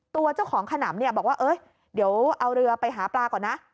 ตัวเจ้าของขนำเนี่ยบอกว่าเดี๋ยวเอาเรือไปหาปลาก่อนนะ